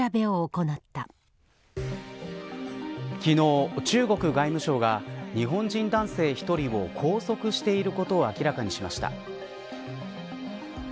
どんなカメラを追い掛ければ昨日、中国外務省が日本人男性１人を拘束していることを明らかにしました。